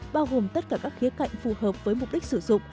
bao gồm tất cả các khía cạnh phù hợp với mục đích sử dụng